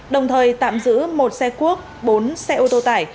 đồng thời tạm giữ một xe cuốc bốn xe ô tô tải